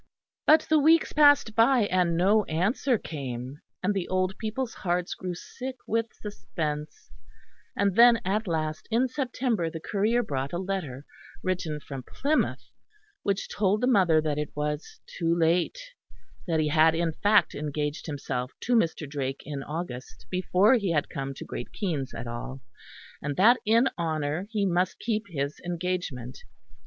But the weeks passed by, and no answer came, and the old people's hearts grew sick with suspense; and then, at last, in September the courier brought a letter, written from Plymouth, which told the mother that it was too late; that he had in fact engaged himself to Mr. Drake in August before he had come to Great Keynes at all; and that in honour he must keep his engagement.